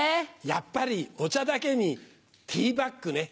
やっぱりお茶だけにティーバックね。